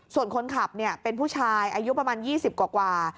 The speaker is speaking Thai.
ส่วนคนขับเป็นผู้ชายอายุประมาณ๒๐กว่า